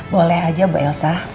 boleh aja bu elsa